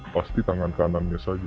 pasti tangan kanannya saja